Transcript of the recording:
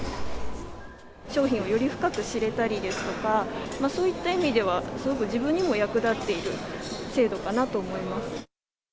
商品をより深く知れたりですとか、そういった意味では、すごく自分にも役立っている制度かなと思います。